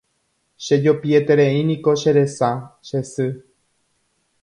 Chejopietereíniko che resa che sy